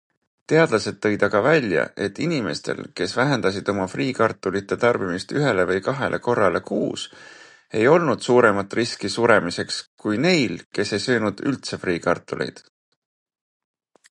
Teadlased tõid aga välja, et inimestel, kes vähendasid oma friikartulite tarbimist ühele või kahele korrale kuus, ei olnud suuremat riski suremiseks, kui neil, kes ei söönud üldse friikartuleid.